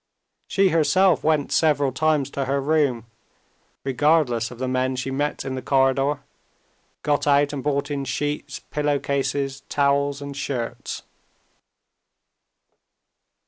She herself went several times to her room, regardless of the men she met in the corridor, got out and brought in sheets, pillow cases, towels, and shirts.